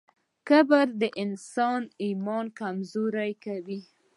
کبر د انسان ایمان کمزوری کوي.